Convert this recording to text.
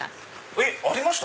えっ？ありました？